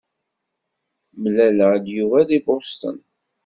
Mlaleɣ-d Yuba deg Boston.